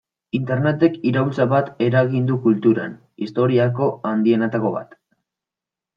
Internetek iraultza bat eragin du kulturan, historiako handienetako bat.